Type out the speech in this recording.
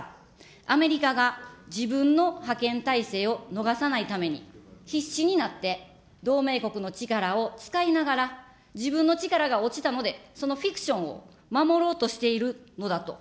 アメリカが、自分の覇権体制を逃さないために、必死になって同盟国の力を使いながら、自分の力が落ちたので、そのフィクションを守ろうとしているのだと。